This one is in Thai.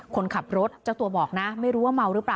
คนขับรถเจ้าตัวบอกนะไม่รู้ว่าเมาหรือเปล่า